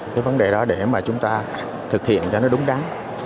cái vấn đề đó để mà chúng ta thực hiện cho nó đúng đáng